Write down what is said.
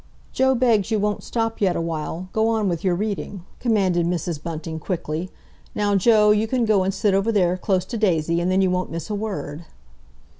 "Joe begs you won't stop yet awhile. Go on with your reading," commanded Mrs. Bunting quickly. "Now, Joe, you can go and sit over there, close to Daisy, and then you won't miss a word."